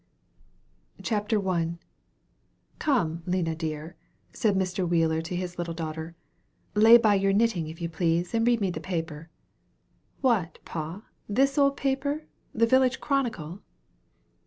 CHAPTER I. "Come, Lina, dear," said Mr. Wheeler to his little daughter, "lay by your knitting, if you please, and read me the paper." "What, pa, this old paper, 'The Village Chronicle?'"